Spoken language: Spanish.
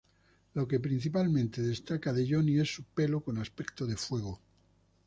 Lo que principalmente destaca de Johnny es su pelo con aspecto de fuego.